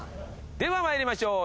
では参りましょう。